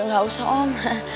nggak usah om